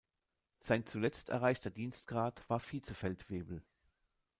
Sein zuletzt erreichter Dienstgrad war Vizefeldwebel.